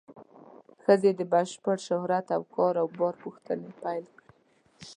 ښځې د بشپړ شهرت او کار و بار پوښتنې پیل کړې.